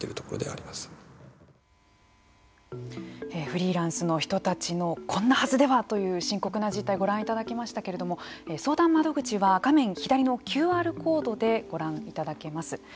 フリーランスの人たちのこんなはずではという深刻な実態ご覧いただきましたけれども相談窓口は画面左のＱＲコードでご覧いただけます。